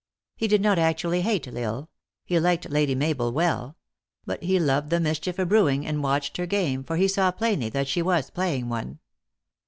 He did not actually hate L Isle ; he liked Lady Mabel well ; but he loved the mischief a brew ing, and watched her game, for he saw plainly that she was playing one.